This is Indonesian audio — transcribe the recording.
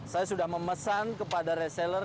saya sudah memesan kepada reseller